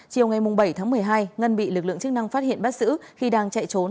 chiều ngày bảy tháng một mươi hai ngân bị lực lượng chức năng phát hiện bắt giữ khi đang chạy trốn